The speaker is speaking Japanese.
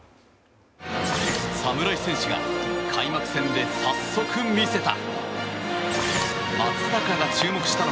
侍戦士が開幕戦で早速見せた。